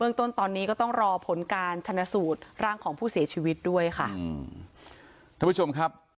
ต้นตอนนี้ก็ต้องรอผลการชนะสูตรร่างของผู้เสียชีวิตด้วยค่ะอืมท่านผู้ชมครับ